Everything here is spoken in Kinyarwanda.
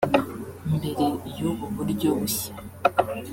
Mbere y’ubu buryo bushya